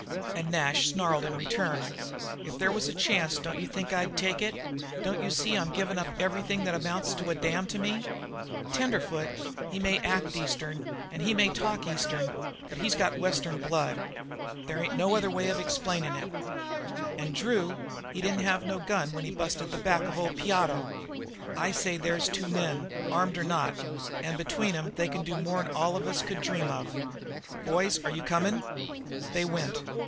And Nash snarled in return: "If there was a chance, don't you think I'd take it? Don't you see I'm givin' up everythin' that amounts to a damn with me? Tenderfoot? He may act Eastern and he may talk Eastern, but he's got Western blood. There ain't no other way of explainin' it. And Drew? He didn't have no gun when he busted the back of old Piotto. I say, there's two men, armed or not, and between 'em they can do more'n all of us could dream of. Boys, are you comin'?" They went.